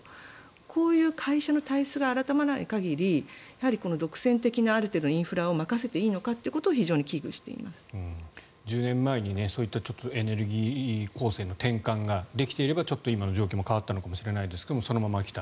こういう会社の体質が改まらない限り独占的な、インフラを任せていいのかということは１０年前にそういったエネルギー構成の転換ができていればちょっと今の状況も変わったのかもしれないけどそのまま来た。